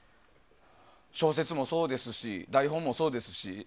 小説もそうですし台本もそうですし。